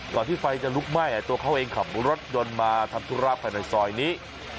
ที่ไฟจะลุกไหม้ตัวเขาเองขับรถยนต์มาทำธุระภายในซอยนี้